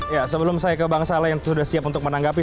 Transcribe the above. ya sebelum saya ke bang saleh yang sudah siap untuk menanggapi